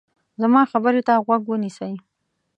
زما خبرې ته غوږ ونیسئ.